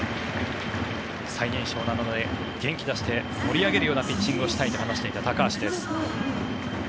最年少なので元気出して盛り上げるようなピッチングをしたいと話していた高橋です。